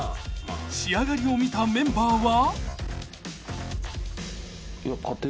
［仕上がりを見たメンバーは］